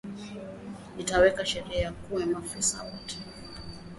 Nitaweka sheria ya kuua mafisadi wote